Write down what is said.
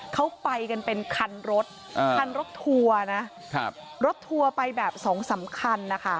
เขาไปกันเป็นคันรถคันรถทัวร์นะรถทัวร์ไปแบบสองสามคันนะคะ